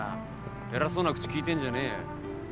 偉そうな口利いてんじゃねえよ。